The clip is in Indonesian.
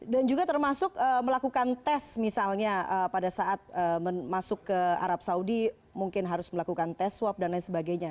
dan juga termasuk melakukan tes misalnya pada saat masuk ke arab saudi mungkin harus melakukan tes swab dan lain sebagainya